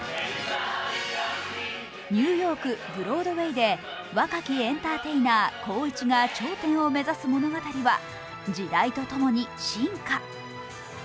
ニューヨーク・ブロードウェイで若きエンターテイナー・コウイチが頂点を目指す物語が時代とともに進化。